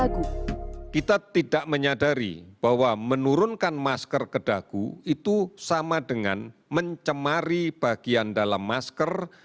kita tidak menyadari bahwa menurunkan masker ke dagu itu sama dengan mencemari bagian dalam masker